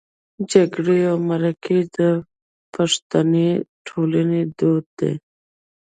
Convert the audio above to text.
جرګې او مرکې د پښتني ټولنې دود دی